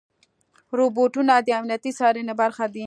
روبوټونه د امنیتي څارنې برخه دي.